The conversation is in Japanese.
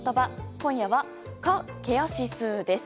今夜は、蚊ケア指数です。